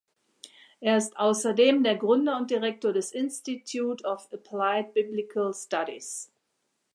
Er ist außerdem der Gründer und Direktor des Institute of Applied Biblical Studies.